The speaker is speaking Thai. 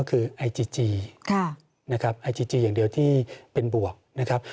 คือไอจีจีนะครับไอจีจีอย่างเดียวที่เป็นบวกนะครับ